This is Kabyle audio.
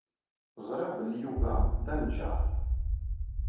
Ẓriɣ belli Yuba d aneǧǧar.